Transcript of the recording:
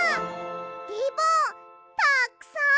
リボンたっくさん！